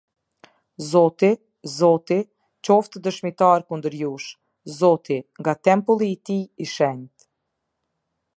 Zoti, Zoti, qoftë dëshmitar kundër jush, Zoti, nga tempulli i tij i shenjtë.